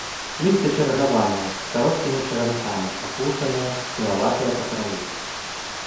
Лісце чаргаванае, з кароткімі чаранкамі, апушанае, пілаватае па краі.